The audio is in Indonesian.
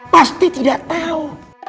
pasti tidak tahu